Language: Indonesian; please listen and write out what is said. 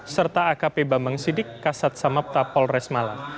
serta akp bambang sidik kasat samapta polres malang